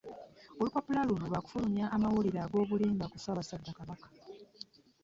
Olupapula luno lwafulumya amawulire ag'obulimba ku Ssaabasajja Kabaka.